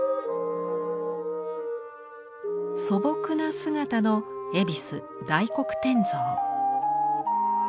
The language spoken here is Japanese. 素朴な姿の恵比寿・大黒天像。